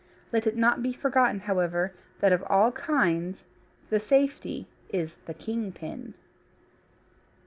Let it not be forgotten, however, that of all kinds, the safety is the King Pin.